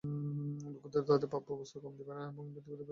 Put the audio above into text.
লোকদেরকে তাদের প্রাপ্য বস্তু কম দেবে না এবং পৃথিবীতে বিপর্যয় ঘটাবে না।